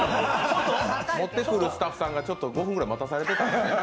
持ってくるスタッフさんが５分ぐらい待たされてたんで。